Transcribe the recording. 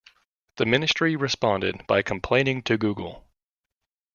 The Ministry responded by complaining to Google.